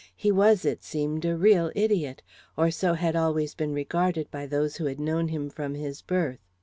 He was, it seemed, a real idiot or so had always been regarded by those who had known him from his birth.